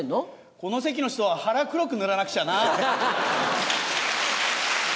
この席の人は腹黒く塗らなくちゃな。